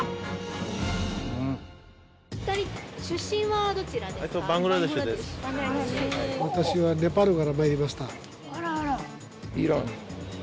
２人出身はどちらですか？